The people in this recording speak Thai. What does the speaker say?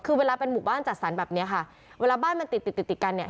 คือเวลาเป็นหมู่บ้านจัดสรรแบบเนี้ยค่ะเวลาบ้านมันติดติดติดติดกันเนี่ย